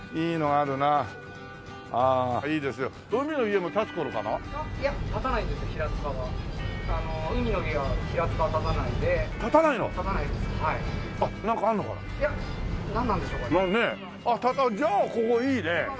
あっじゃあここいいね！